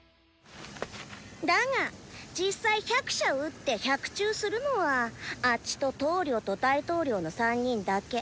だが実際百射うって百中するのは「あッチ」と「頭領」と「大頭領」の３人だけ。